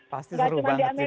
pasti seru banget ya